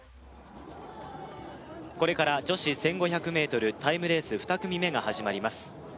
これから女子１５００ｍタイムレース２組目が始まります